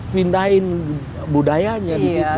pindahin budayanya disitu